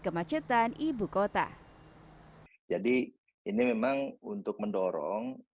kemacetan ibu kota jadi ini memang untuk mendorong